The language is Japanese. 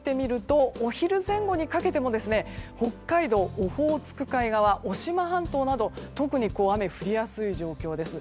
お昼前後にかけて北海道オホーツク海側渡島半島など特に雨が降りやすい状況です。